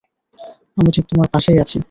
আমি ঠিক তোমার পাশেই আছি।